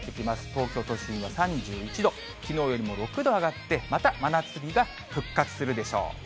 東京都心は３１度、きのうよりも６度上がって、また真夏日が復活するでしょう。